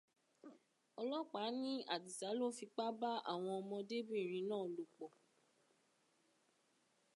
Ọlọ́pàá ni Àdìsá ló fipá bá àwọn ọmọdébìnrin náà lò pọ̀.